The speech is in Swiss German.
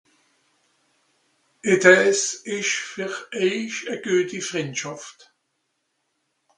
... esch ver eich a gueti frindschàft